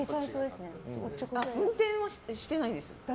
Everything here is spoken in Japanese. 運転はしてないです。